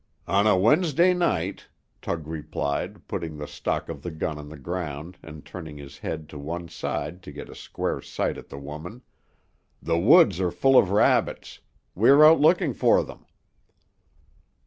"On a Wednesday night," Tug replied, putting the stock of the gun on the ground, and turning his head to one side to get a square sight at the woman, "the woods are full of rabbits. We are out looking for them."